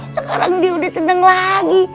sekarang dia udah seneng lagi